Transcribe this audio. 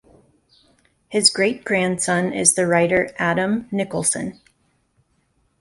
His great-grandson is the writer Adam Nicolson.